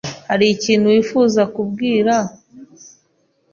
Hari ikintu wifuza kubwira ?